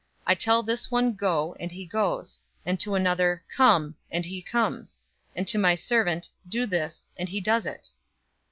I tell this one, 'Go!' and he goes; and to another, 'Come!' and he comes; and to my servant, 'Do this,' and he does it."